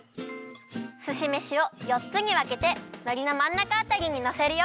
すしめしをよっつにわけてのりのまんなかあたりにのせるよ。